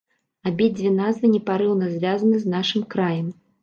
Абедзве назвы непарыўна звязаны з нашым краем.